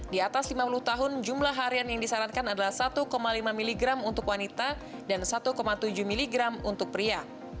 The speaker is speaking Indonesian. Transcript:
di atas lima puluh tahun jumlah harian yang disarankan adalah satu lima miligram untuk wanita dan satu tujuh miligram untuk pria